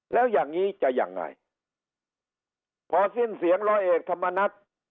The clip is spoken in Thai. แล้วอย่างนี้จะยังไงพอสิ้นเสียงร้อยเอกธรรมนัฐ